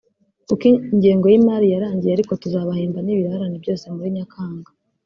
kuko ingengo y’imari yarangiye ariko tuzabahemba n’ibirarane byose muri Nyakanga